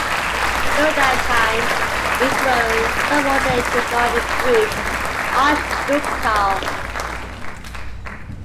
During that time it was subordinated to Army Group Archduke Karl.